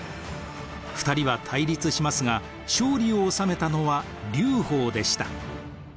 ２人は対立しますが勝利を収めたのは劉邦でした。